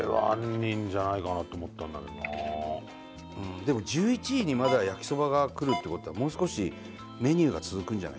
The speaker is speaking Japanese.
でも１１位にまだ焼そばがくるって事はもう少しメニューが続くんじゃないかな？